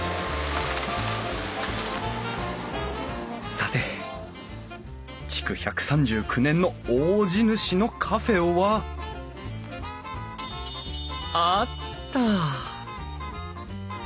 さて築１３９年の大地主のカフェはあった！